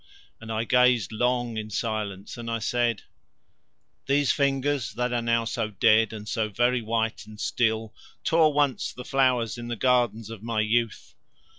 And I gazed long in silence, and I said: "These fingers, that are now so dead and so very white and still, tore once the flowers in gardens of my youth."